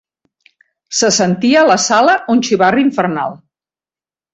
Se sentia a la sala un xivarri infernal.